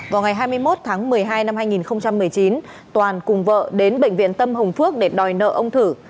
vào ngày hai mươi một tháng một mươi hai năm hai nghìn một mươi chín toàn cùng vợ đến bệnh viện tâm hồng phước để đòi nợ ông thử